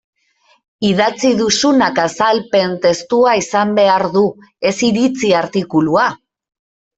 Idatzi duzunak azalpen testua izan behar du, ez iritzi artikulua.